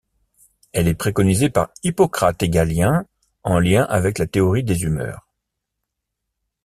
Elle est préconisée par Hippocrate et Galien, en lien avec la théorie des humeurs.